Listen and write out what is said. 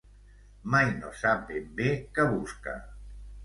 Mai no sap ben bé què busca.